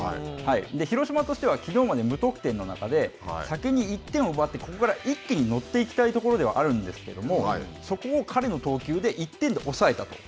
広島としては、きのうまで無得点の中で、先に１点を奪って、一気に乗っていきたいところではあるんですけれども、そこを彼の投球で１点で抑えたと。